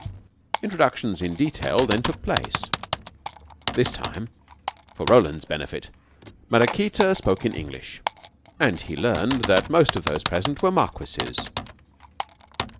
Introductions in detail then took place. This time, for Roland's benefit, Maraquita spoke in English, and he learned that most of those present were marquises.